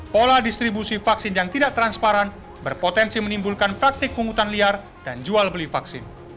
pola distribusi vaksin yang tidak transparan berpotensi menimbulkan praktik pungutan liar dan jual beli vaksin